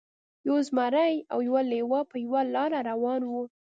یو زمری او یو لیوه په یوه لاره روان وو.